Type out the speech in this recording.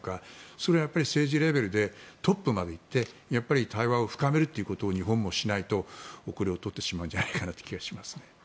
それは政治レベルでトップまで行って対話を深めるということを日本もしないと後れを取ってしまうんじゃないかなという気がします。